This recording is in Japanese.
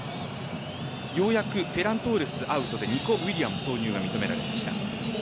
ようやくフェラントーレス、アウトでニコウィリアムズ投入が認められました。